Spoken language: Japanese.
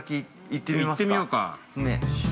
◆行ってみようか。